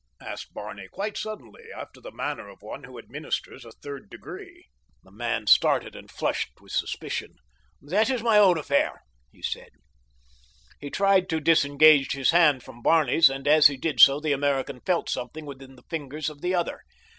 asked Barney quite suddenly, after the manner of one who administers a third degree. The man started and flushed with suspicion. "That is my own affair," he said. He tried to disengage his hand from Barney's, and as he did so the American felt something within the fingers of the other.